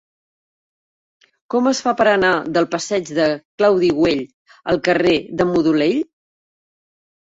Com es fa per anar del passeig de Claudi Güell al carrer de Modolell?